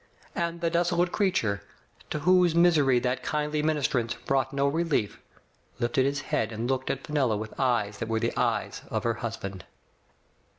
And the desolate creature, to whose misery that kindly ministrance brought no relief, lifted his head and looked at Fenella with eyes that were the eyes of her husband.